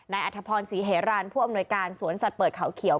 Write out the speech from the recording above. อัธพรศรีเหรันผู้อำนวยการสวนสัตว์เปิดเขาเขียว